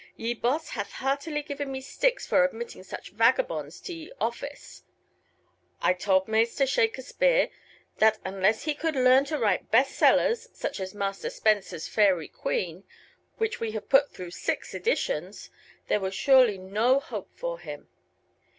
Ye Bosse hath heartilye given me Styx forr admitting such Vagabones to ye Office. I tolde maister Shake a Speare that unlesse hee colde learne to wryte Beste Sellers such as Master Spenser's Faerye Quene (wch wee have put through six editions) there was suerly noe Hope for hym.